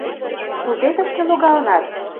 — Кузе тышке логалынат?